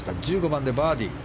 １５番でバーディー。